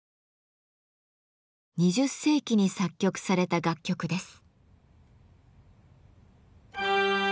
２０世紀に作曲された楽曲です。